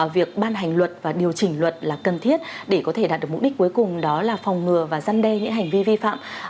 việc ban hành luật và điều chỉnh luật là cần thiết để có thể đạt được mục đích cuối cùng đó là phòng ngừa và giăn đe những hành vi vi phạm